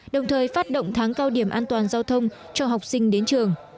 đồng thời phát động tháng cao điểm an toàn giao thông cho học sinh đến trường